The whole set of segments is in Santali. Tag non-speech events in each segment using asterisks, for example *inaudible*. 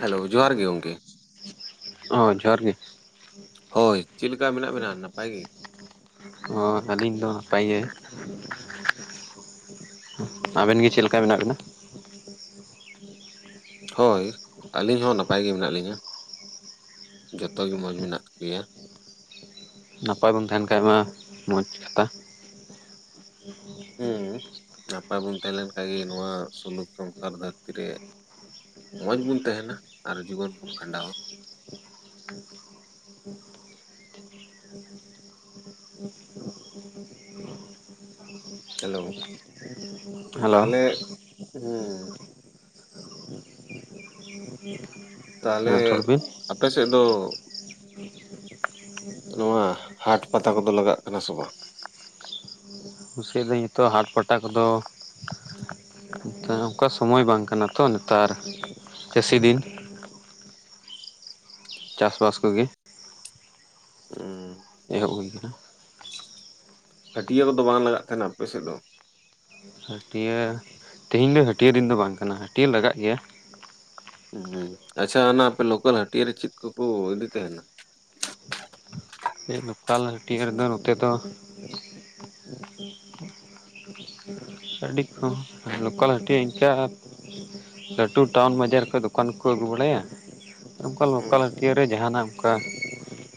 ᱦᱮᱞᱳ ᱡᱚᱦᱟᱨ ᱜᱮ ᱜᱚᱢᱠᱮ ᱚ ᱡᱚᱦᱟᱨ ᱜᱮ? ᱦᱳᱭ ᱪᱮᱫ ᱞᱮᱠᱟ ᱢᱮᱱᱟᱜ ᱵᱮᱱᱟ ᱱᱟᱸᱯᱟᱭ ᱜᱮ? ᱚ ᱟᱞᱤᱧ ᱫᱚ ᱱᱟᱯᱟᱭ ᱜᱮ ᱟᱵᱮᱱ ᱜᱮ ᱪᱮᱫ ᱞᱮᱠᱟ ᱢᱮᱱᱟᱜ ᱵᱤᱱᱟ ᱦᱳᱭ ᱟᱹᱞᱤᱧ ᱦᱚᱸ ᱱᱟᱯᱟᱭ ᱜᱮ ᱢᱮᱱᱟᱜ ᱞᱤᱧᱟᱹ ᱡᱚᱛᱚ ᱜᱮ ᱢᱚᱡᱽ ᱢᱮᱱᱟᱜ ᱞᱮᱭᱟ ᱱᱟᱯᱟᱭ ᱵᱚᱱ ᱛᱟᱦᱮᱸᱱ ᱠᱷᱟᱡ ᱢᱟ ᱢᱚᱸᱡᱽ ᱠᱟᱛᱷᱟ ᱦᱩᱸ ᱱᱟᱯᱟᱭ ᱵᱚᱱ ᱛᱟᱦᱮᱸ ᱞᱮᱱ ᱠᱷᱟᱡ ᱜᱮ ᱱᱚᱣᱟ ᱥᱩᱞᱩᱠ ᱥᱚᱝᱥᱟᱨ ᱫᱷᱟᱹᱨᱛᱤ ᱨᱮ ᱢᱚᱸᱡᱽ ᱵᱚᱱ ᱛᱟᱦᱮᱸᱱᱟ ᱟᱨ ᱡᱤᱵᱚᱱ ᱵᱚᱱ ᱠᱷᱟᱸᱰᱟᱣᱟ ᱦᱮᱞᱳ ᱦᱮᱞᱳ ᱛᱟᱦᱚᱞᱮ ᱦᱩᱸ *inaudible* ᱛᱟᱦᱚᱞᱮ ᱨᱚᱲ ᱵᱤᱱ ᱟᱯᱮᱥᱮᱫ ᱫᱚ ᱱᱚᱣᱟ ᱦᱟᱴ ᱯᱟᱛᱟ ᱠᱚ ᱫᱚ ᱞᱟᱜᱟᱜ ᱠᱟᱱᱟ ᱥᱮ ᱵᱟᱝ ᱠᱩᱥᱤᱭᱟᱫᱟᱹᱧ ᱱᱤᱛᱚᱜ ᱦᱟᱴ ᱯᱟᱴᱟ ᱠᱚᱫᱚ ᱚᱱᱠᱟ ᱥᱳᱢᱚᱭ ᱵᱟᱝ ᱠᱟᱱᱟ ᱛᱚ ᱱᱮᱛᱟᱨ ᱪᱟᱹᱥᱤ ᱫᱤᱱ ᱪᱟᱥ ᱵᱟᱥ ᱠᱚ ᱜᱮ ᱦᱩᱸ ᱮᱦᱚᱵ ᱦᱩᱭ ᱟᱠᱟᱱᱟ ᱦᱟᱹᱴᱭᱟᱹ ᱠᱚ ᱫᱚ ᱵᱟᱝ ᱞᱟᱜᱟᱜ ᱛᱟᱦᱮᱸᱱᱟ ᱟᱯᱮ ᱥᱮᱫ ᱫᱚ ᱦᱟᱹᱴᱤᱭᱟᱹ ᱛᱮᱦᱮᱧ ᱫᱚ ᱦᱟᱹᱴᱤᱭᱟᱹ ᱫᱤᱱ ᱫᱚ ᱵᱟᱝ ᱠᱟᱱᱟ ᱦᱟᱹᱴᱤᱭᱟᱹ ᱞᱟᱜᱟᱜ ᱜᱮᱭᱟ ᱦᱩᱸ ᱟᱪᱪᱷᱟ ᱚᱱᱟ ᱟᱯᱮ ᱞᱳᱠᱟᱞ ᱦᱟᱹᱴᱤᱭᱟᱹ ᱨᱮ ᱪᱮᱫ ᱠᱚ ᱠᱚ ᱤᱫᱤ ᱛᱟᱸᱦᱮᱱᱟ ᱞᱳᱠᱟᱞ ᱦᱟᱹᱴᱤᱭᱟᱹ ᱨᱮᱫᱚ ᱱᱚᱛᱮ ᱫᱚ ᱟᱹᱰᱤ ᱠᱚ ᱞᱳᱠᱟᱞ ᱦᱟᱹᱴᱤᱭᱟᱹ ᱤᱱᱠᱟ ᱞᱟᱹᱴᱩ ᱴᱟᱣᱩᱱ ᱵᱟᱡᱟᱨ ᱠᱷᱚᱡ ᱫᱚᱠᱟᱱ ᱠᱚ ᱟᱹᱜᱩ ᱵᱟᱲᱟᱭᱟ ᱚᱱᱠᱟ ᱦᱩᱸ ᱞᱳᱠᱟᱞ ᱦᱟᱹᱴᱤᱭᱟᱹ ᱨᱮ ᱡᱟᱦᱟᱸᱱᱟᱜ ᱚᱱᱠᱟ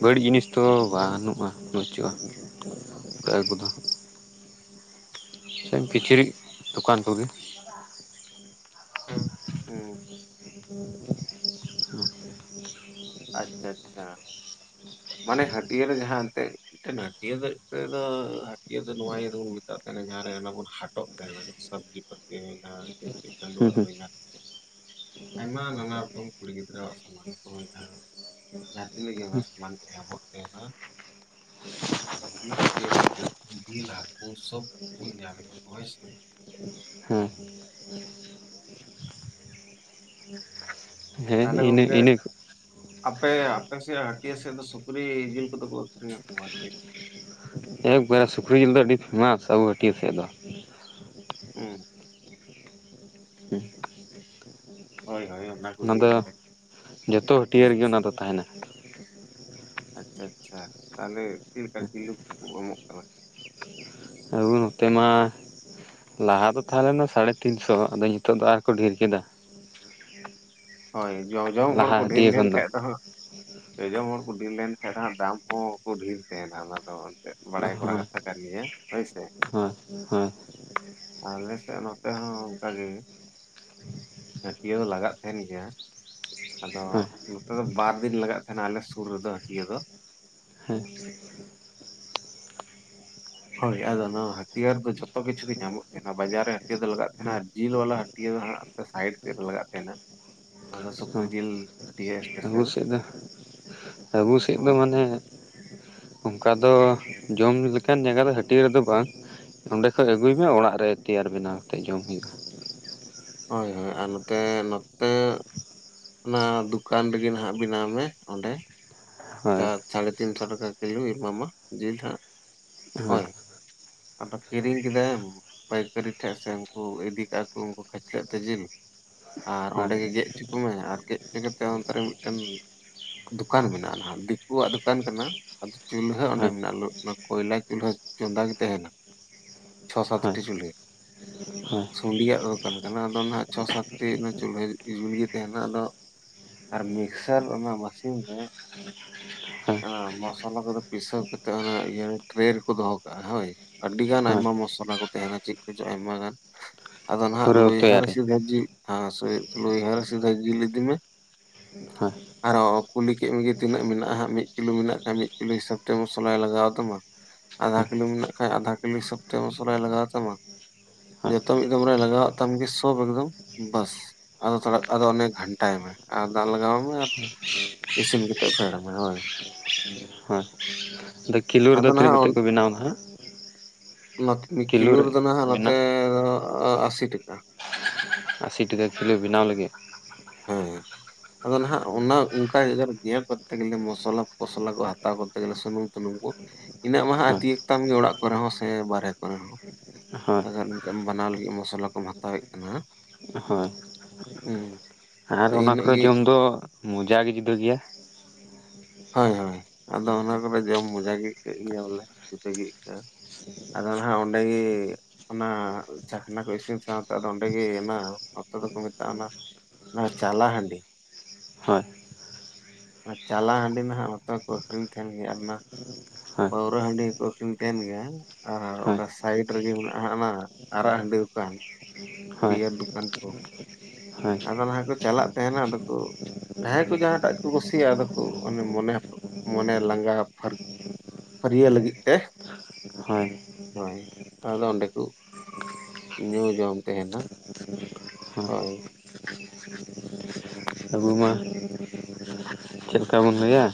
ᱵᱟᱹᱲᱤᱡ ᱡᱤᱱᱤᱥ ᱛᱚ ᱵᱟᱹᱱᱩᱜᱼᱟ ᱵᱟᱹᱪᱩᱜᱼᱟ ᱚᱱᱟ *inaudible* ᱠᱚ ᱫᱚ ᱥᱮ ᱠᱤᱪᱨᱤᱡ ᱫᱚᱠᱟᱱ ᱠᱚ ᱜᱮ *inaudible* ᱦᱩᱸ ᱟᱪᱪᱷᱟ ᱟᱪᱪᱷᱟ ᱢᱟᱱᱮ ᱦᱟᱹᱴᱭᱟᱹ ᱨᱮ ᱡᱟᱦᱟᱸ ᱮᱱᱛᱮ ᱮᱛ *inaudible* ᱦᱟᱹᱴᱭᱟᱹ ᱫᱚ ᱦᱟᱹᱴᱭᱟᱹ ᱫᱚ ᱱᱚᱣᱟ ᱤᱭᱟᱹ ᱫᱚᱵᱚᱱ ᱢᱮᱛᱟᱜ ᱠᱟᱱᱟ ᱡᱟᱦᱟᱸ ᱨᱮ ᱚᱱᱮ ᱵᱚᱱ ᱦᱟᱴᱚᱜ ᱥᱚᱵᱽᱡᱤ ᱯᱟᱹᱛᱤ ᱟᱨ ᱠᱤᱪᱨᱤᱡ ᱠᱷᱟᱹᱰᱩᱣᱟ. ᱦᱩᱸ ᱦᱚᱸ ᱦᱮᱱᱟᱜ ᱟᱭᱢᱟ ᱱᱟᱱᱟ ᱨᱚᱠᱚᱢ ᱠᱩᱲᱤ ᱜᱤᱫᱽᱨᱟᱹᱣᱟᱜ ᱥᱟᱢᱟᱱ ᱠᱚ ᱦᱮᱱᱟᱜ-ᱟ ᱡᱟᱦᱟ ᱛᱤᱱᱟᱹ ᱜᱮ ᱟᱭᱢᱟ ᱥᱟᱢᱟᱱ ᱠᱚ ᱧᱟᱢᱚᱜ ᱛᱟᱦᱮᱸᱱᱟ ᱚᱱᱟ ᱦᱟᱹᱴᱭᱟᱹ ᱨᱮᱫᱚ ᱡᱤᱞ ᱦᱟᱹᱠᱩ ᱥᱳᱵ ᱧᱟᱢᱚᱜ ᱦᱳᱭᱥᱮ ᱦᱮᱸ ᱦᱮ ᱛᱟᱦᱚᱞᱮ ᱤᱱᱟᱹ ᱜᱚᱝᱠᱮ ᱤᱱᱟᱹ ᱟᱯᱮ ᱟᱯᱮ ᱥᱮᱫ ᱦᱟᱹᱴᱤᱭᱟᱹ ᱥᱮᱫ ᱫᱚ ᱥᱩᱠᱨᱤ ᱡᱤᱞ ᱠᱚ ᱫᱚ ᱠᱚ ᱟᱹᱠᱨᱤᱧᱟ *unintelligible* ᱥᱮ ᱵᱟᱝ ᱜᱮ ᱥᱩᱠᱨᱤ ᱡᱤᱞ ᱫᱚ ᱟᱹᱰᱤ ᱯᱷᱮᱢᱟᱥ ᱟᱵᱚ ᱦᱟᱹᱴᱤᱭᱟᱹ ᱥᱮᱫ ᱫᱚ ᱦᱮᱸ ᱦᱳᱭ ᱦᱳᱭ *unintelligible* ᱚᱱᱟ ᱫᱚ ᱡᱚᱛᱚ ᱦᱩᱸ ᱦᱟᱹᱴᱤᱭᱟᱹ ᱨᱮ ᱜᱮ ᱚᱱᱟ ᱫᱚ ᱛᱟᱦᱮᱸᱱᱟ ᱟᱪᱪᱷᱟ ᱟᱪᱪᱷᱟ ᱛᱟᱦᱚᱞᱮ ᱪᱮᱫ ᱞᱮᱠᱟ ᱠᱤᱞᱳ ᱠᱚ ᱮᱢᱚᱜ ᱠᱟᱱᱟ ᱟᱵᱚ ᱱᱚᱛᱮ ᱢᱟ ᱞᱟᱦᱟ ᱫᱚ ᱛᱟᱦᱮᱸ ᱞᱮᱱᱟ ᱥᱟᱲᱮ ᱛᱤᱱ ᱥᱚ ᱟᱫᱚ ᱱᱤᱛᱚᱜ ᱫᱚ ᱟᱨ ᱦᱚᱸ ᱠᱚ ᱰᱷᱮᱨ ᱠᱮᱫᱟ ᱦᱳᱭ ᱡᱚᱡᱚᱢ ᱦᱚᱲ ᱞᱟᱦᱟ ᱠᱚ ᱰᱷᱮᱨ ᱦᱟᱹᱴᱤᱭᱟᱹ ᱞᱮᱱ ᱠᱷᱚᱱ ᱠᱷᱟᱱᱡ ᱫᱚ ᱦᱟᱸᱜ ᱡᱚᱡᱚᱢ ᱦᱚᱲ ᱠᱚ ᱰᱷᱮᱨ ᱞᱮᱱ ᱠᱷᱟᱱ ᱫᱚ ᱦᱟᱸᱜ ᱫᱟᱢ ᱦᱚᱸ ᱵᱟᱠᱩ ᱰᱷᱮᱨ ᱛᱟᱦᱮᱸᱱᱟ ᱚᱱᱟ ᱫᱚ ᱮᱱᱛᱮᱫ ᱵᱟᱲᱟᱭ ᱠᱚᱨᱟ ᱠᱟᱛᱷᱟ ᱠᱟᱱ ᱜᱮᱭᱟ ᱦᱳᱭᱥᱮ ᱦᱚᱸ ᱦᱚᱸ ᱟᱞᱮ ᱥᱮᱫ ᱱᱚᱛᱮ ᱦᱚᱸ ᱚᱱᱠᱟ ᱜᱮ ᱦᱟᱹᱴᱭᱟᱹ ᱞᱟᱜᱟᱜ ᱛᱟᱦᱮᱸᱱ ᱜᱮᱭᱟ ᱟᱫᱚ ᱦᱳᱭ ᱱᱚᱛᱮ ᱫᱚ ᱵᱟᱨ ᱫᱤᱱ ᱞᱟᱜᱟᱜ ᱠᱟᱱᱟ ᱟᱞᱮ ᱥᱩᱨ ᱨᱮᱫᱚ ᱦᱟᱹᱴᱤᱭᱟᱹ ᱫᱚ ᱦᱮᱸ ᱦᱳᱭ ᱟᱫᱚ ᱱᱚᱣᱟ ᱦᱟᱹᱴᱭᱟᱹ ᱨᱮ ᱫᱚ ᱡᱚᱛᱚ ᱠᱤᱪᱷᱩ ᱜᱮ ᱧᱟᱢᱚᱜ ᱠᱟᱱᱟ ᱵᱟᱡᱟᱨ ᱨᱮ ᱦᱟᱹᱴᱭᱟᱹ ᱫᱚ ᱞᱟᱜᱟᱜ ᱠᱟᱱᱟ ᱟᱨ ᱡᱤᱞ ᱵᱟᱞᱟ ᱦᱟᱹᱴᱭᱟᱹ ᱦᱚᱸ ᱥᱟᱭᱤᱰ ᱥᱮᱫ ᱨᱮ ᱞᱟᱜᱟᱜ ᱠᱟᱱᱟ ᱚᱱᱟ ᱫᱚ ᱥᱩᱠᱨᱤ ᱡᱤᱞ *unintelligible* ᱥᱯᱮᱥᱟᱞ ᱟᱵᱩ ᱥᱮᱫ ᱫᱚ ᱟᱵᱩ ᱥᱮᱫ ᱫᱚ ᱱᱚᱣᱟ- ᱢᱟᱱᱮ ᱚᱱᱠᱟ ᱫᱚ ᱡᱚᱢ ᱞᱮᱠᱟᱱ ᱡᱟᱭᱜᱟ ᱫᱚ ᱦᱟᱹᱴᱭᱟᱹ ᱨᱮ ᱫᱚ ᱵᱟᱝ ᱚᱸᱰᱮ ᱠᱷᱚᱡ ᱟᱹᱜᱩᱭ ᱢᱮ ᱚᱲᱟᱜ ᱨᱮ ᱛᱮᱭᱟᱨ ᱵᱮᱱᱟᱣ ᱠᱟᱛᱮᱫ ᱡᱚᱢ ᱦᱳᱭᱳᱜᱼᱟ ᱦᱳᱭ ᱦᱳᱭ ᱟᱨ ᱱᱚᱛᱮ ᱱᱚᱛᱮ ᱚᱱᱟ ᱫᱚᱠᱟᱱ ᱨᱮ ᱜᱮ ᱱᱟᱦᱟᱜ ᱵᱮᱱᱟᱣ ᱢᱮ ᱚᱸᱰᱮ ᱦᱳᱭ ᱥᱟᱲᱮ ᱛᱤᱱ ᱥᱚ ᱴᱟᱠᱟ ᱠᱤᱞᱳᱭ ᱮᱢᱟ ᱢᱟ ᱡᱤᱞ ᱦᱟᱜ ᱦᱳᱭ ᱟᱫᱚ ᱠᱤᱨᱤᱧ ᱠᱮᱫᱟᱭᱮᱢ ᱯᱟᱹᱭᱠᱟᱹᱨᱤ ᱴᱷᱮᱱ ᱥᱮ ᱩᱱᱠᱩ ᱤᱫᱤ ᱠᱟᱜᱼᱟ ᱠᱚ ᱩᱱᱠᱩ ᱠᱷᱟᱪᱞᱟᱹᱜ ᱛᱮ ᱡᱤᱞ ᱟᱨ ᱚᱸᱰᱮ ᱦᱳᱭ ᱜᱮ ᱜᱮᱫ ᱦᱚᱪᱚ ᱠᱚᱢᱮ ᱟᱨ ᱜᱮᱫ ᱛᱮᱜᱮ ᱛᱮ ᱠᱟᱛᱮ ᱚᱱᱛᱮ ᱨᱮ ᱢᱤᱫᱴᱮᱱ ᱫᱚᱠᱟᱱ ᱢᱮᱱᱟᱜᱼᱟ ᱟᱨ ᱫᱤᱠᱩᱣᱟᱜ ᱫᱚᱠᱟᱱ ᱠᱟᱱᱟ ᱟᱫᱚ ᱪᱩᱞᱦᱟᱹ ᱚᱸᱰᱮ ᱦᱳᱭ ᱢᱮᱱᱟᱜ ᱚᱱᱟ ᱠᱚᱭᱞᱟ ᱪᱩᱞᱦᱟᱹ ᱪᱚᱸᱫᱟ ᱠᱟᱛᱮ ᱦᱮᱱᱟᱜ-ᱟ ᱪᱷᱚ ᱦᱳᱭ ᱥᱟᱛᱴᱤ ᱪᱩᱞᱦᱟᱹ ᱦᱳᱭ ᱥᱩᱰᱤᱭᱟᱜ ᱫᱚᱠᱟᱱ ᱠᱟᱱᱟ ᱟᱫᱚ ᱱᱟᱦᱟᱜ ᱪᱷᱚ ᱥᱟᱛᱴᱤ ᱪᱳᱞᱳ ᱡᱩᱞ ᱜᱮ ᱛᱟᱦᱮᱸᱱᱟ ᱟᱫᱚ ᱟᱨ ᱢᱤᱠᱥᱟᱨ ᱚᱱᱟ ᱢᱮᱥᱤᱱ ᱨᱮ ᱦᱳᱭ ᱚᱱᱟ ᱢᱚᱥᱞᱟ ᱠᱚ ᱫᱚ ᱯᱤᱥᱟᱹᱣ ᱠᱟᱛᱮᱫ ᱚᱱᱟ ᱤᱭᱟᱹ ᱴᱨᱮ ᱨᱮ ᱠᱚ ᱫᱚᱦᱚ ᱠᱟᱜᱼᱟ ᱦᱳᱭ ᱟᱹᱰᱤ ᱜᱟᱱ ᱦᱳᱭ ᱟᱭᱢᱟ ᱢᱚᱥᱞᱟ ᱠᱚ ᱛᱟᱦᱮᱸᱱᱟ ᱪᱮᱫ ᱠᱚᱪᱚᱝ ᱟᱭᱢᱟ ᱜᱟᱱ ᱟᱫᱚ ᱱᱟᱦᱟᱜ ᱯᱩᱨᱟᱹᱣ ᱞᱩᱭᱦᱟ ᱛᱮᱭᱟᱨᱤ ᱦᱥᱤᱫᱷᱟ ᱡᱤᱞ ᱦᱮ ᱞᱩᱭᱦᱟ ᱦᱥᱤᱫᱷᱟ ᱡᱤᱞ ᱤᱫᱤ ᱢᱮ ᱦᱳᱭ ᱟᱨᱚ ᱠᱩᱞᱤ ᱠᱮᱫ ᱢᱮᱜᱮ ᱛᱤᱱᱟᱹᱜ ᱢᱮᱱᱟᱜᱼᱟ ᱢᱤᱫ ᱠᱤᱞᱳ ᱢᱮᱱᱟᱜ ᱠᱷᱟᱱ ᱢᱤᱫ ᱠᱤᱞᱳ ᱦᱤᱥᱟᱹᱵ ᱛᱮ ᱢᱚᱥᱞᱟᱭ ᱞᱟᱜᱟᱣ ᱟ ᱛᱟᱢᱟ ᱟᱫᱷᱟ ᱠᱤᱞᱳ ᱢᱮᱱᱟᱜ ᱠᱷᱟᱱ ᱟᱫᱷᱟ ᱠᱤᱞᱳ ᱦᱤᱥᱟᱹᱵ ᱛᱮ ᱢᱚᱥᱞᱟᱭ ᱞᱟᱜᱟᱣ ᱟᱛᱟᱢᱟ ᱦᱳᱭ ᱡᱚᱛᱚ ᱢᱤᱫ ᱫᱚᱢ ᱨᱮ ᱞᱟᱜᱟᱣᱟᱜ ᱛᱟᱢ ᱜᱮ ᱥᱚᱵ ᱮᱠᱫᱚᱢ ᱵᱟᱥ ᱟᱫᱚ ᱛᱷᱚᱲᱟ ᱟᱫᱚ ᱚᱱᱮ ᱜᱷᱟᱱᱴᱟᱭ ᱢᱮ ᱟᱨ ᱫᱟᱜ ᱞᱟᱜᱟᱣ ᱢᱮ ᱟᱨ ᱤᱥᱤᱱ ᱠᱟᱛᱮ ᱦᱳᱭ ᱦᱳᱭ ᱟᱫᱚ ᱠᱤᱞᱳ ᱨᱮ ᱫᱚ ᱟᱫᱚ ᱛᱤᱱᱟᱹᱜ ᱱᱟᱦᱟᱜ ᱠᱟᱛᱮ ᱠᱚ ᱵᱮᱱᱟᱣᱟ ᱱᱟᱦᱟᱸᱜ ᱱᱚᱛ ᱠᱤᱞᱳ ᱨᱮᱫᱚ ᱱᱟᱦᱟᱜ ᱱᱚᱛᱮ ᱵᱮᱱᱟᱣ ᱫᱚ ᱟ-ᱟᱥᱤ ᱴᱟᱠᱟ ᱾ ᱟᱥᱤ ᱴᱟᱠᱟ ᱠᱤᱞᱳ ᱵᱮᱱᱟᱣ ᱞᱟᱹᱜᱤᱫ ᱾ ᱦᱮᱸᱻ ᱾ ᱟᱫᱚ ᱱᱟᱦᱟᱜ ᱚᱱᱟ ᱚᱝᱠᱟ ᱡᱟᱭᱜᱟ ᱵᱤᱭᱟᱨ ᱠᱚᱨᱛᱮ ᱜᱮᱞᱮ ᱢᱚᱥᱞᱟ ᱯᱚᱥᱞᱟ ᱠᱚ ᱦᱟᱛᱟᱣ ᱠᱚᱨᱛᱮ ᱜᱮᱞᱮ ᱥᱩᱱᱩᱢ ᱛᱩᱱᱩᱢ ᱠᱩ ᱤᱱᱟᱹᱜ ᱢᱟ ᱦᱟᱜ ᱦᱳᱭ ᱛᱤᱭᱟᱹᱜ ᱛᱟᱢ ᱜᱮ ᱚᱲᱟᱜ ᱠᱚᱨᱮ ᱦᱚᱸ ᱥᱮ ᱵᱟᱨᱦᱮ ᱠᱚᱨᱮ ᱦᱚᱸ ᱾ ᱦᱳᱭ ᱟᱫᱚ ᱱᱤᱛᱚᱜ ᱮᱢ ᱵᱟᱱᱟᱣ ᱞᱟᱹᱜᱤᱫ ᱢᱚᱥᱞᱟ ᱠᱚᱢ ᱦᱟᱛᱟᱣᱮᱜ ᱠᱟᱱᱟᱦᱟ ᱦᱳᱭ ᱾ ᱦᱩᱸ ᱟᱨ ᱛᱚ ᱚᱱᱟ ᱤᱱᱟᱹᱜ ᱠᱚᱨᱮ ᱜᱮ ᱡᱚᱢ ᱫᱚ ᱢᱚᱡᱟ ᱜᱮ ᱡᱩᱫᱟᱹ ᱜᱮᱭᱟ ᱾ ᱦᱳᱭ ᱦᱳᱭ ᱟᱫᱚ ᱚᱱᱟ ᱠᱚ ᱨᱮ ᱡᱚᱢ ᱢᱚᱡᱟ ᱟᱹᱠᱟᱹᱜ ᱜᱮᱭᱟ ᱵᱚᱞᱮ ᱡᱩᱫᱟᱹ ᱜᱮ ᱟᱹᱭᱠᱟᱹᱜᱼᱟ ᱟᱫᱚ ᱱᱟᱦᱟᱜ ᱚᱸᱰᱮ ᱜᱤ ᱚᱱᱟ ᱪᱟᱠᱷᱱᱟ ᱠᱚ ᱤᱥᱤᱱ ᱥᱟᱶᱛᱮ ᱟᱫᱚ ᱚᱸᱰᱮ ᱜᱮ ᱦᱮᱱᱟᱜ-ᱟ ᱱᱚᱛᱮ ᱫᱚᱠᱚ ᱢᱮᱛᱟᱜᱼᱟ ᱚᱱᱟ ᱪᱟᱞᱟ ᱦᱟᱸᱹᱰᱤ ᱦᱳᱭ ᱪᱟᱞᱟ ᱦᱟᱺᱰᱤ ᱱᱟᱦᱟᱜ ᱱᱚᱛᱮ ᱠᱚ ᱟᱹᱠᱷᱨᱤᱧ ᱛᱟᱦᱮᱸᱱ ᱜᱮᱭᱟ ᱟᱨ ᱚᱱᱟ ᱦᱳᱭ ᱯᱟᱹᱣᱨᱟᱹ ᱦᱟᱹᱸᱰᱤᱦᱚᱸ ᱠᱚ ᱟᱹᱠᱷᱨᱤᱧ ᱛᱟᱦᱮᱸᱱ ᱜᱮᱭᱟ ᱟ ᱦᱳᱭ ᱚᱸᱰᱮ ᱥᱟᱭᱤᱰ ᱨᱮᱜᱮ ᱢᱮᱱᱟᱜᱼᱟ ᱦᱟᱸᱜ ᱚᱱᱟ ᱟᱨᱟᱜ ᱦᱟᱺᱰᱤ ᱚᱠᱟᱱ ᱾ ᱦᱳᱭ ᱵᱤᱭᱟᱨ ᱫᱩᱠᱟᱱ ᱠᱚ ᱾ ᱦᱳᱭ ᱟᱭᱢᱟ ᱞᱟᱦᱟ ᱠᱩ ᱪᱟᱞᱟᱜ ᱛᱟᱦᱮᱸᱱᱟ ᱟᱫᱚ ᱠᱩ ᱡᱟᱦᱟᱸᱭ ᱠᱚ ᱡᱟᱦᱟᱸ ᱴᱟᱜ ᱠᱚ ᱠᱩᱥᱤᱭᱟᱜᱼᱟ ᱟᱫᱚ ᱠᱚ ᱢᱚᱱᱮ ᱢᱚᱱᱮ ᱞᱟᱸᱜᱟ ᱯᱷᱟᱨ ᱯᱷᱟᱹᱨᱭᱟᱹ ᱞᱟᱹᱜᱤᱫ ᱛᱮ ᱾ ᱦᱚᱸ ᱾ ᱦᱳᱭ, ᱟᱫᱚ ᱚᱸᱰᱮ ᱠᱩᱡ ᱧᱩ ᱡᱚᱢ ᱛᱮᱦᱮᱱᱟ ᱾ ᱦᱮᱸ ᱾ ᱟᱹᱵᱩ ᱢᱟ ᱪᱮᱞᱠᱟ ᱵᱮᱱ ᱞᱟᱹᱭᱟ?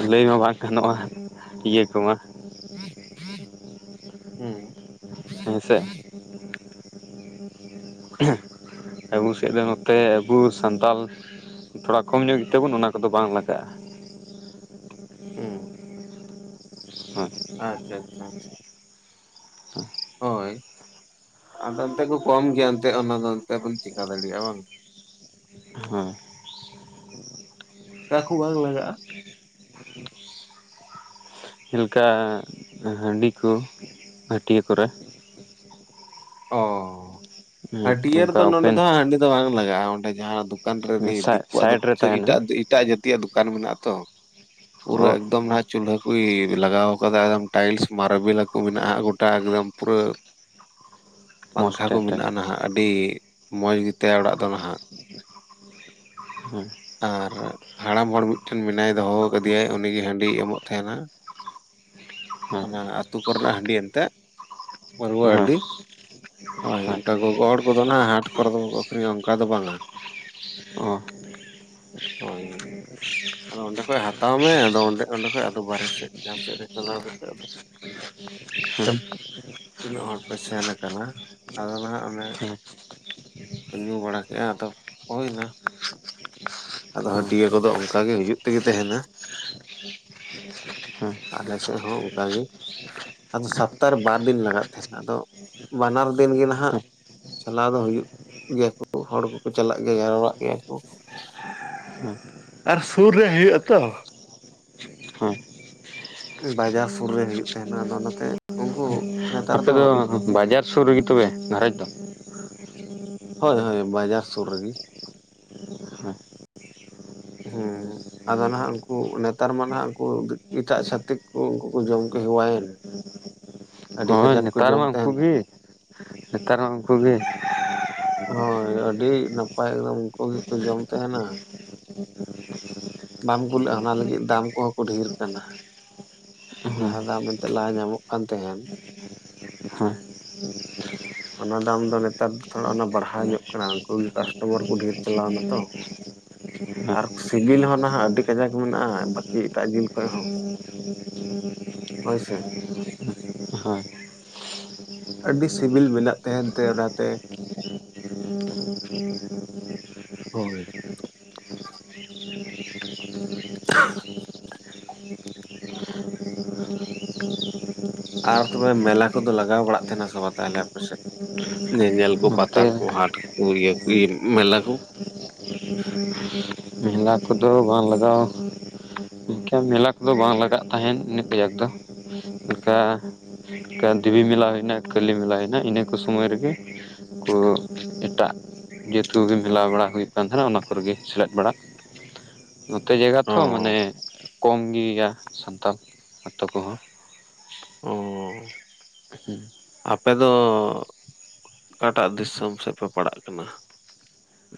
ᱮᱸ ᱞᱟᱹᱭ ᱢᱟ ᱵᱟᱝ ᱜᱟᱱᱚᱜᱼᱟ ᱤᱭᱟᱹ ᱠᱚᱢᱟ ᱾ ᱦᱩᱸ ᱦᱮᱸ ᱥᱮ ᱾ ᱟᱵᱩ ᱥᱮᱫ ᱫᱚ ᱱᱚᱛᱮ ᱟᱵᱩ ᱥᱟᱱᱛᱟᱞ ᱾ ᱛᱷᱚᱲᱟ ᱠᱚᱢ ᱧᱚᱜ ᱜᱮᱛᱮ ᱵᱚᱱ ᱚᱱᱟ ᱠᱚᱫᱚ ᱵᱟᱝ ᱞᱟᱜᱟᱜᱼᱟ ᱾ ᱩᱸ ᱦᱚ ᱟᱪᱪᱷᱟ, ᱟᱪᱪᱷᱟ, ᱟᱪᱷᱟ ᱾ ᱦᱳᱭ, ᱟᱫᱚ ᱚᱱᱛᱮ ᱵᱚ ᱠᱚᱢ ᱜᱮᱭᱟ ᱮᱱᱛᱮ ᱚᱱᱟ ᱱᱚᱛᱮ ᱵᱚᱱ ᱪᱮᱠᱟ ᱫᱟᱲᱮᱭᱟᱜᱼᱟ ᱵᱟᱝ? ᱦᱮᱸ ᱾ ᱠᱟ ᱠᱩ ᱵᱟᱝ ᱞᱟᱜᱟᱜᱼᱟ? ᱪᱤᱞᱠᱟ ᱦᱟᱺᱰᱤ ᱠᱚ ᱦᱟᱹᱴᱭᱟᱹ ᱠᱚᱨᱮ? ᱚᱻ, ᱦᱮᱸ ᱦᱟᱹᱴᱭᱟᱹ ᱚᱱᱠᱟ ᱨᱮᱫᱚ ᱱᱚᱰᱮ ᱳᱯᱮᱱ ᱫᱚ ᱦᱟᱸᱜ ᱦᱟᱺᱰᱤ ᱫᱚ ᱵᱟᱝ ᱞᱟᱜᱟᱜᱼᱟ ᱾ ᱚᱸᱰᱮ ᱡᱟᱦᱟᱸ ᱫᱩ ᱠᱟᱱ ᱨᱮᱱᱤ ᱥᱟᱭ ᱫᱤᱠᱩᱣᱟᱜ ᱫᱚ ᱥᱟᱭᱤᱰ ᱨᱮ ᱠᱤᱪᱷᱩ ᱛᱟᱦᱮᱱᱟ ᱮᱴᱟᱜ ᱫᱤ ᱮᱴᱟᱜ ᱡᱟᱹᱛᱤᱭᱟᱜ ᱫᱩᱠᱟᱱ ᱢᱮᱱᱟᱜᱼᱟ ᱛᱚ ᱚ ᱯᱩᱨᱟᱹ ᱮᱠᱫᱚᱢ ᱢᱟ ᱪᱩᱞᱦᱟᱹ ᱠᱚ ᱤᱻ ᱞᱟᱜᱟᱣ ᱟᱠᱟᱫᱟ ᱮᱠᱫᱚᱢ ᱴᱟᱭᱤᱞᱥ ᱢᱟᱨᱟᱵᱮᱞ ᱠᱩ ᱢᱮᱱᱟᱜᱼᱟ ᱜᱚᱴᱟ ᱮᱠᱫᱚᱢ ᱯᱩᱨᱟᱹ ᱢᱚᱡᱽ ᱯᱟᱝᱠᱷᱟ ᱠᱚ ᱛᱮ ᱛᱮ ᱢᱮᱱᱟᱜᱼᱟ ᱱᱟᱦᱟᱜ ᱟᱹᱰᱤ ᱢᱚᱸᱡᱽ ᱜᱮᱛᱟᱭᱟ ᱚᱲᱟᱜ ᱫᱚ ᱱᱟᱦᱟᱜ ᱾ ᱦᱮᱸ ᱾ ᱟᱨ ᱦᱟᱲᱟᱢ ᱦᱚᱲ ᱢᱤᱫᱴᱮᱱ ᱢᱮᱱᱟᱭ ᱫᱚᱦᱚᱣ ᱠᱟᱫᱮᱭᱟᱭ ᱩᱱᱤ ᱜᱮ ᱦᱟᱺᱰᱤᱭ ᱮᱢᱚᱜ ᱛᱟᱦᱮᱸᱱᱟ ᱾ ᱦᱮᱸ ᱚᱱᱟ ᱟᱛᱩ ᱠᱚᱨᱮᱱᱟᱜ ᱦᱟ. ᱰᱤ ᱮᱱᱛᱮ ᱯᱟᱹᱨᱣᱟᱹ ᱦᱳᱭ ᱦᱟᱹᱰᱤ ᱾ ᱦᱳᱭ ᱚᱝᱠᱟ ᱜᱚ-ᱜᱚ ᱦᱚᱲ ᱠᱚᱫᱚ ᱱᱟᱦᱟᱜ ᱦᱟᱴ ᱠᱚᱨᱮ ᱫᱚ ᱵᱟᱠᱚ ᱟᱹᱠᱷᱨᱤᱧᱟ ᱚᱱᱠᱟ ᱫᱚ ᱵᱟᱝᱼᱟ ᱾ ᱚ ᱦᱳᱭ ᱾ ᱟᱫᱚ ᱚᱸᱰᱮ ᱠᱷᱚᱡ ᱦᱟᱛᱟᱣ ᱢᱮ ᱟᱫᱚᱸ ᱚᱸᱰᱮ-ᱚᱸᱰᱮ ᱠᱷᱚᱡ ᱵᱟᱨᱦᱮ ᱥᱮᱫ ᱡᱟᱦᱟᱸ ᱥᱮᱫ ᱨᱮ ᱪᱟᱞᱟᱣ ᱠᱟᱛᱮ ᱦᱮᱸ *inaudible* ᱛᱤᱱᱟᱜ ᱦᱚᱲ ᱥᱮᱱ ᱟᱠ ᱠᱟᱱᱟ ᱟᱫᱚ ᱱᱟᱦᱟᱜ ᱚᱱᱮ ᱦᱮᱸ ᱧᱩ ᱵᱟᱲᱟ ᱠᱮᱫᱮᱜᱼᱟ ᱟᱫᱚ ᱦᱩᱭ ᱱᱟ ᱟᱫᱚ ᱦᱟᱹᱴᱤᱭᱟ ᱠᱚᱫᱚ ᱚᱱᱠᱟ ᱜᱮ ᱦᱩᱭᱩᱜ ᱛᱮᱜᱮ ᱛᱟᱦᱮᱸᱱᱟ ᱟᱞᱮ ᱥᱮᱫ ᱦᱚᱸ ᱚᱱᱠᱟ ᱜᱮ ᱦᱮᱸ ᱟᱫᱚ ᱥᱚᱯᱛᱟᱦᱚᱨᱮ ᱵᱟᱨ ᱫᱤᱱ ᱞᱟᱜᱟᱜ ᱛᱟᱦᱮᱱᱟ ᱟᱫᱚ ᱵᱟᱱᱟᱨ ᱫᱤᱱ ᱜᱮ ᱱᱟᱦᱟᱜ ᱪᱟᱞᱟᱣ ᱫᱚ ᱦᱩᱭᱩᱜ ᱜᱮᱭᱟ ᱠᱚ ᱦᱚᱲ ᱠᱚᱠᱚ ᱪᱟᱞᱟᱜ ᱜᱮᱭᱟ ᱡᱷᱟᱨᱣᱟᱜ ᱜᱮᱭᱟ ᱠᱚ ᱟᱨ ᱥᱩᱨ ᱨᱮ ᱦᱩᱭᱩᱜ-ᱟ ᱛᱚ ᱦᱮᱸ ᱵᱟᱡᱟᱨ ᱥᱩᱨ ᱨᱮ ᱦᱩᱭᱩᱜ ᱛᱟᱦᱮᱱᱟ ᱟᱫᱚ ᱚᱱᱟ ᱛᱮ ᱩᱝᱠᱩ ᱱᱮᱛᱟᱨ ᱫᱚ ᱵᱟᱡᱟᱨ ᱥᱩᱨ ᱨᱮᱜᱮ ᱛᱚᱵᱮ ᱜᱷᱟᱨᱚᱡᱽ ᱫᱚ ᱾ ᱦᱳᱭ-ᱦᱳᱭ ᱵᱟᱡᱟᱨ ᱥᱩᱨ ᱨᱤᱜᱤ ᱾ ᱦᱩᱸ ᱾ ᱟᱫᱚ ᱱᱟᱦᱟᱸᱜ ᱩᱱᱠᱩ ᱱᱮᱛᱟᱨ ᱢᱟ ᱱᱟᱦᱟᱸᱜ ᱩᱱᱠᱩ ᱮᱴᱟᱜ ᱪᱷᱟᱹᱛᱤᱠ ᱠᱩ ᱩᱱᱠᱩ ᱠᱩ ᱡᱚᱢ ᱠᱩ ᱦᱮᱣᱟᱭ ᱱᱟ ᱾ ᱦᱳᱭ ᱱᱮᱛᱟᱨ ᱢᱟ ᱩᱱᱠᱩ ᱛᱟᱦᱮᱱ ᱜᱤ, ᱱᱮᱛᱟᱨ ᱢᱟ ᱩᱱᱠᱩ ᱜᱤ ᱾ ᱦᱳᱭ, ᱟᱹᱰᱤ ᱱᱟᱯᱟᱭ ᱮᱠᱫᱚᱢ ᱩᱱᱠᱩ ᱜᱤᱠᱩ ᱡᱚᱢ ᱛᱟᱦᱮᱱᱟ ᱾ *inaudible* ᱵᱟᱢ ᱠᱩᱞᱟᱹᱜᱼᱟ ᱚᱱᱟ ᱞᱟᱹᱜᱤᱫ ᱫᱟᱢ ᱠᱚᱦᱚᱸ ᱠᱚ ᱰᱷᱮᱨ ᱠᱟᱱᱟ ᱡᱟᱦᱟᱸ ᱫᱟᱢ ᱮᱱᱛᱮᱫ ᱞᱟᱦᱟ ᱧᱟᱢᱚᱜ ᱠᱟᱱ ᱛᱟᱦᱮᱸᱱ ᱦᱮᱸ ᱚᱱᱟ ᱫᱚ ᱟᱢ ᱫᱚ ᱱᱮᱛᱟᱨ ᱫᱚ ᱛᱷᱚᱲᱟ ᱵᱟᱲᱦᱟᱣ ᱧᱚᱜ ᱠᱟᱱᱟ ᱩᱱᱠᱩ ᱜᱮ ᱠᱟᱥᱴᱚᱢᱟᱨ ᱠᱚ ᱰᱷᱮᱨ ᱪᱟᱞᱟᱣᱱᱟ ᱛᱚ ᱦᱳᱭ ᱟᱨ ᱥᱤᱵᱤᱞ ᱦᱚᱸ ᱱᱟᱦᱟᱜ ᱟᱹᱰᱤ ᱠᱟᱡᱟᱠ ᱢᱮᱱᱟᱜᱼᱟ ᱵᱟᱠᱤ ᱮᱴᱟᱜ ᱡᱤᱞ ᱠᱷᱚᱱ ᱦᱚᱸ *inaudible* ᱦᱳᱭ ᱥᱮ *inaudible* ᱦᱳᱭ ᱟᱹᱰᱤ ᱥᱤᱵᱤᱞ ᱢᱮᱱᱟᱜ ᱛᱟᱦᱮᱱ ᱛᱮ ᱚᱱᱟᱛᱮ ᱦᱳᱭ *inaudible* *unintelligible* *inaudible* ᱟᱨ ᱛᱚᱵᱮ ᱢᱮᱞᱟ ᱠᱚᱫᱚ ᱞᱟᱜᱟᱣ ᱵᱟᱲᱟᱜ ᱛᱟᱦᱮᱱᱟ ᱥᱮ ᱵᱟᱝ ᱛᱟᱦᱚᱞᱮ ᱟᱯᱮᱥᱮᱫ ᱧᱮᱧᱮᱞ ᱠᱚ ᱯᱟᱛᱟ ᱱᱚᱛᱮ ᱠᱚ ᱦᱟᱴ ᱠᱚ ᱤᱭᱟᱹ ᱠᱚ ᱢᱮᱞᱟ ᱠᱚ *inaudible* ᱢᱮᱞᱟ ᱠᱚᱫᱚ ᱵᱟᱝ ᱞᱟᱜᱟᱣᱼᱼ ᱚᱱᱠᱟ ᱢᱮᱞᱟ ᱠᱚᱫᱚ ᱵᱟᱝ ᱞᱟᱜᱟᱜ ᱛᱟᱦᱮᱸᱱ ᱤᱱᱟᱹᱜ ᱠᱟᱡᱟᱠ ᱫᱚ ᱚᱱᱠᱟ ᱫᱮᱵᱤ ᱢᱮᱞᱟ ᱦᱩᱭᱱᱟ ᱠᱟᱹᱞᱤ ᱢᱮᱞᱟ ᱦᱩᱭᱱᱟ ᱤᱱᱟᱹ ᱠᱚ ᱥᱚᱢᱚᱭ ᱨᱮᱜᱮ ᱠᱚ ᱮᱴᱟᱜ ᱡᱟᱹᱛ ᱠᱚ ᱜᱮ ᱢᱮᱞᱟᱣ ᱵᱟᱲᱟ ᱦᱩᱭᱩᱜ ᱠᱟᱱ ᱛᱟᱦᱮᱱᱟ ᱚᱱᱟ ᱠᱚᱨᱮᱜᱮ ᱥᱮᱞᱮᱫ ᱵᱟᱲᱟ ᱱᱚᱛᱮ ᱡᱟᱭᱜᱟ ᱚ ᱛᱚ ᱢᱟᱱᱮ ᱠᱚᱢ ᱜᱮᱭᱟ ᱥᱟᱱᱛᱟᱞ ᱟᱛᱳ ᱠᱚᱦᱚᱸ ᱚᱻ *inaudible* ᱟᱯᱮᱫ ᱫᱚ ᱚᱠᱟᱴᱟᱜ ᱫᱤᱥᱚᱢ ᱥᱮᱫ ᱯᱮ ᱯᱟᱲᱟᱜ ᱠᱟᱱᱟ?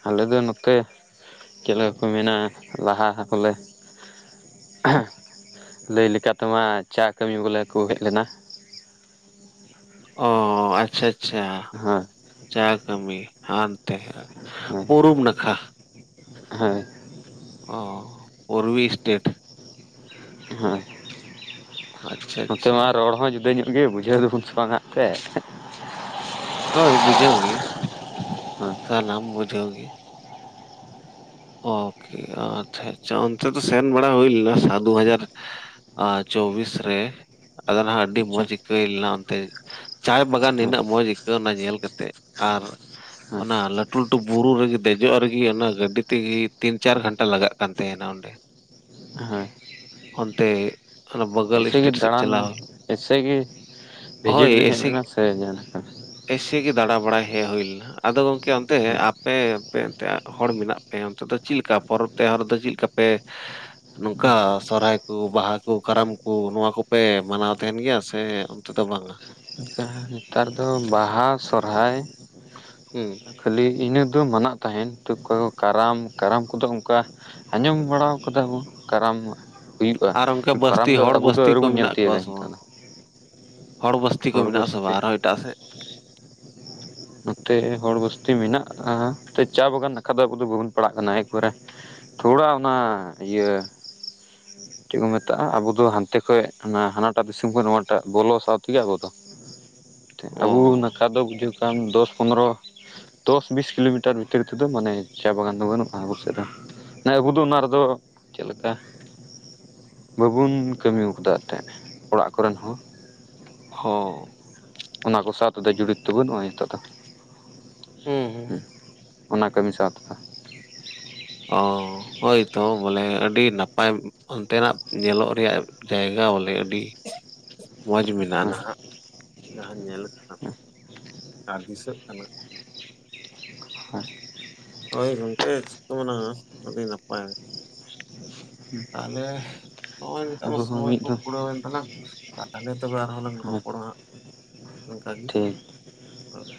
ᱟᱞᱮ ᱫᱚ ᱱᱚᱛᱮ ᱪᱮᱫ ᱞᱮᱠᱟ ᱠᱚ ᱢᱮᱱᱟ ᱞᱟᱦᱟ ᱠᱚᱞᱮ ᱞᱟᱹᱭ ᱞᱮᱠᱟ ᱛᱮᱢᱟ ᱪᱟ ᱠᱟᱹᱢᱤ ᱵᱚᱞᱮ ᱠᱚ ᱦᱮᱡ ᱞᱮᱱᱟ ᱚ ᱟᱪᱪᱷᱟ ᱟᱪᱪᱷᱟ ᱦᱮᱸ ᱪᱟ ᱠᱟᱹᱢᱤ ᱦᱟᱱᱛᱮ ᱯᱨᱩᱵ ᱱᱟᱠᱷᱟ ᱦᱳᱭ ᱚ ᱩᱨᱵᱤ ᱥᱴᱮᱴ ᱦᱮᱸ ᱟᱪᱪᱷᱟ ᱱᱚᱛᱮ ᱟᱪᱪᱷᱟ ᱢᱟ ᱨᱚᱲ ᱦᱚᱸ ᱡᱩᱫᱟᱹ ᱧᱚᱜ ᱜᱮ ᱵᱩᱡᱷᱟᱹᱣ ᱫᱟᱵᱚᱱ ᱥᱮ ᱵᱟᱝ ᱦᱟᱸᱜ ᱛᱮ ᱦᱳᱭ ᱵᱩᱡᱷᱟᱹᱣ ᱦᱮᱸ ᱥᱟᱱᱟᱢ ᱵᱩᱡᱷᱟ. ᱣ ᱜᱮ ᱳᱠᱮ ᱟᱪᱪᱷᱟ ᱟᱪᱪᱷᱟ ᱚᱱᱛᱮ ᱛᱚ ᱥᱮᱱ ᱵᱟᱲᱟ ᱦᱩᱭᱞᱱᱟ ᱥᱟ ᱫᱩ ᱦᱟᱡᱟᱨ ᱪᱚᱣᱵᱤᱥ ᱨᱮ ᱟᱫᱚ ᱱᱷᱟᱜ ᱟᱹᱰᱤ ᱟᱪᱪᱷᱟ ᱢᱚᱡᱽ ᱟᱭᱠᱟ. ᱣ ᱞᱮᱱᱟ ᱚᱱᱛᱮ ᱪᱟᱭ ᱵᱟᱜᱟᱱ ᱦᱮᱸ ᱱᱤᱱᱟᱹᱜ ᱢᱚᱡᱽ ᱟᱹᱭᱠᱟᱹᱣᱱᱟ ᱧᱮᱞ ᱠᱟᱛᱮᱫ ᱟᱨ ᱦᱮᱸ ᱚᱱᱟ ᱞᱟᱴᱩ ᱞᱟᱹᱴᱩ ᱵᱩᱨᱩ ᱨᱮᱜᱮ ᱫᱮᱡᱚᱜ ᱨᱮᱜᱮ ᱚᱱᱟ ᱜᱟᱹᱰᱤ ᱛᱮᱜᱮ ᱛᱤᱱ ᱪᱟᱨ ᱜᱷᱚᱱᱴᱟ ᱞᱟᱜᱟᱜ ᱠᱟᱱ ᱛᱟᱦᱮᱱᱟ ᱚᱸᱰᱮ ᱦᱮᱸ ᱚᱱᱛᱮ ᱚᱱᱟ ᱵᱟᱜᱟᱞ ᱮᱭᱥᱮ ᱜᱮ ᱥᱴᱮᱴ ᱥᱮᱫ ᱫᱟᱬᱟᱱ ᱪᱟᱞᱟᱣ ᱦᱩᱭ ᱮᱭᱥᱮ ᱜᱮ ᱞᱮᱱᱟ᱾ ᱦᱳᱭ ᱵᱷᱤᱡᱤᱴ ᱵᱤᱱ ᱦᱮᱡ ᱮᱭᱥᱮ ᱞᱮᱱᱟ ᱥᱮ *inaudible* ᱮᱭᱥᱮ ᱜᱮ ᱫᱟᱬᱟ ᱵᱟᱲᱟᱭ ᱦᱮᱡ ᱦᱩᱭ ᱞᱮᱱᱟ ᱾ ᱟᱫᱚ ᱜᱚᱢᱠᱮ ᱚᱱᱛᱮ ᱟᱯᱮ ᱯᱮ-ᱚᱱᱛᱮ ᱟ ᱦᱚᱲ ᱢᱮᱱᱟᱜ ᱦᱮᱸ ᱚᱱᱛᱮ ᱫᱚ ᱪᱤᱜ ᱞᱮᱠᱟ ᱯᱚᱨᱚᱵᱽ ᱛᱮᱦᱟᱨ ᱫᱚ ᱪᱤᱜ ᱞᱮᱠᱟ ᱯᱮ ᱱᱚᱝᱠᱟ ᱥᱚᱨᱦᱟᱭ ᱠᱩ, ᱵᱟᱦᱟ ᱠᱩ, ᱠᱟᱨᱟᱢ ᱠᱩ ᱱᱚᱣᱟ ᱠᱩᱯᱮ ᱢᱟᱱᱟᱣ ᱛᱮᱦᱮᱱ ᱜᱮᱭᱟ? ᱥᱮ ᱛᱚ ᱫᱚ ᱵᱟᱝ ᱾ ᱡᱟᱦᱟᱸ ᱱᱮᱛᱟᱨ ᱫᱚ ᱵᱟᱦᱟ ᱥᱚᱨᱦᱟᱭ ᱦᱩᱸ ᱠᱷᱟᱹᱞᱤ ᱤᱱᱟᱹ ᱫᱚ ᱢᱟᱱᱟᱜ ᱛᱟᱦᱮᱱ ᱛᱚ ᱠᱟᱨᱟᱢ ᱠᱟᱨᱟᱢ ᱠᱚᱫᱚ ᱚᱱᱠᱟ ᱟᱸᱡᱚᱢ ᱵᱟᱲᱟ ᱠᱟᱫᱟ ᱵᱚᱱ ᱠᱟᱨᱟᱢᱼᱼ ᱦᱩᱭᱩᱜᱼᱟ ᱟᱨ ᱚᱱᱠᱟ ᱠᱟᱨᱟᱢ ᱵᱟᱥᱛᱤ ᱫᱚ ᱟᱵᱚ ᱫᱚ ᱟᱹᱣᱨᱤ ᱵᱚᱱ ᱧᱮᱞ ᱛᱤᱭᱳᱜᱟ ᱦᱤᱛᱚᱜ ᱵᱟᱝ ᱫᱚ ᱦᱚᱲ ᱵᱚᱥᱛᱤ ᱠᱚ ᱢᱮᱱᱟᱜᱼᱟ ᱥᱮ ᱵᱟᱝ ᱟᱨᱦᱚᱸ ᱮᱴᱟᱜ ᱥᱮᱫ ᱱᱚᱛᱮ ᱦᱚᱲ ᱵᱚᱥᱛᱤ ᱢᱮᱱᱟᱜᱼᱟ ᱪᱟ ᱵᱟᱜᱟᱱ ᱱᱟᱠᱷᱟ ᱫᱚ ᱟᱵᱚ ᱫᱚ ᱵᱟᱵᱚᱱ ᱯᱟᱲᱟᱜ ᱠᱟᱱᱟ ᱮᱠ ᱵᱟᱨᱮ ᱛᱷᱚᱲᱟ ᱚᱱᱟ ᱤᱭᱟᱹ ᱪᱮᱜ ᱵᱚ ᱢᱮᱛᱟᱜᱼᱟ ᱟᱵᱚ ᱫᱚ ᱦᱟᱱᱛᱮ ᱠᱷᱚᱡ ᱦᱟᱱᱟ-ᱦᱟᱱᱟᱴᱟᱜ ᱫᱤᱥᱚᱢ ᱠᱷᱚᱱ ᱱᱚᱣᱟᱴᱟᱜ ᱵᱚᱞᱚ ᱥᱟᱶ ᱛᱮᱜᱮ ᱟᱵᱚ ᱫᱚ ᱾ ᱚ ᱟᱵᱩᱣ ᱱᱟᱠᱷᱟ ᱫᱚ ᱵᱩᱡᱷᱟᱹᱜ ᱠᱟᱱ ᱫᱚᱥ-ᱯᱚᱱᱨᱚ ᱫᱚᱥ-ᱵᱤᱥ ᱠᱤᱞᱳᱢᱤᱴᱟᱨ ᱵᱷᱤᱛᱤᱨ ᱛᱮᱫᱚ ᱢᱟᱱᱮ ᱪᱟ ᱵᱟᱜᱟᱱ ᱫᱚ ᱵᱟᱹᱱᱩᱜᱼᱟ ᱟᱵᱚ ᱥᱮᱫ ᱫᱚ ᱾ ᱦᱮᱸ ᱟᱵᱩ ᱫᱚ ᱚᱱᱟ ᱨᱮᱫᱚ ᱪᱮᱜ ᱞᱮᱠᱟ? ᱵᱟᱵᱩᱱ ᱠᱟᱹᱢᱤᱣ ᱠᱟᱫᱟ ᱮᱱᱛᱮ ᱚᱲᱟᱜ ᱠᱚᱨᱮᱱ ᱦᱚᱸ ᱦᱚᱸ ᱾ ᱚᱱᱟ ᱠᱚ ᱥᱟᱶ ᱛᱮᱫᱚ ᱡᱩᱫᱤ ᱛᱩᱞᱚᱱᱟᱜᱼᱟ ᱱᱤᱛᱚᱜ ᱫᱚ ᱦᱩᱸ ᱦᱮ-ᱦᱮ ᱾ ᱚᱱᱟ ᱠᱟᱹᱢᱤ ᱥᱟᱶ ᱛᱮᱫᱚ ᱾ ᱚ ᱦᱳᱭ ᱛᱚ ᱵᱚᱞᱮ ᱟᱹᱰᱤ ᱱᱟᱯᱟᱭ ᱚᱱᱛᱮᱱᱟᱜ ᱧᱮᱞᱚᱜ ᱨᱮᱭᱟᱜ ᱡᱟᱭᱜᱟ ᱵᱚᱞᱮ ᱟᱹᱰᱤ ᱢᱚᱡᱽ ᱢᱮᱱᱟᱜᱼᱟ ᱦᱮᱸ ᱱᱟᱦᱟᱜ ᱡᱟᱦᱟᱸ ᱧᱮᱞᱚᱜ ᱠᱟᱱᱟ ᱾ ᱠᱟ ᱫᱤᱥᱟᱹᱜ ᱟᱱᱟ ᱾ ᱦᱳᱭ ᱜᱚᱝᱠᱮ ᱥᱤᱛᱩᱝ ᱱᱟᱦᱟ ᱟᱹᱰᱤ ᱱᱟᱯᱟᱭ, ᱛᱟᱦᱚᱞᱮ ᱱᱚᱜᱼᱚᱭ ᱱᱤᱛᱚᱜ ᱢᱟ ᱟᱵᱚ ᱦᱚᱸ ᱥᱚᱢᱚᱭ ᱢᱤᱫ ᱠᱚ ᱫᱚᱢ ᱠᱩᱲᱟᱹᱣᱮᱱ ᱛᱟᱞᱟᱝ ᱾ ᱦᱟᱱᱮ ᱛᱚᱵᱮ ᱟᱨᱦᱚᱸ ᱞᱟᱝ ᱨᱚᱯᱚᱲᱟ ᱦᱟᱸᱜ ᱱᱚᱝᱠᱟ ᱜᱤ ᱴᱷᱤᱠ ᱦᱳᱭ ᱾